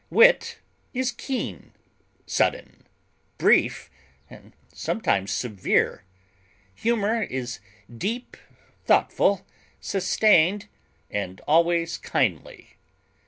Wit is keen, sudden, brief, and sometimes severe; humor is deep, thoughtful, sustained, and always kindly.